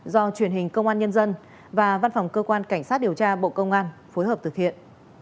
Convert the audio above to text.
do truyền hình công an nhân dân và văn phòng cơ quan cảnh sát điều tra bộ công an phối hợp thực hiện